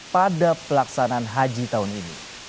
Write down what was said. pada pelaksanaan haji tahun ini